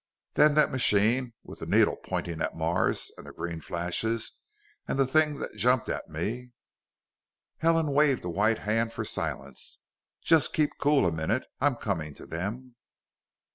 "Then that machine, with the needle pointing at Mars, and the green flashes, and the thing that jumped at me " Helen waved a white hand for silence. "Just keep cool a minute! I'm coming to them.